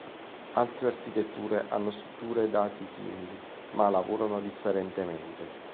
Altre architetture hanno strutture dati simili, ma lavorano differentemente.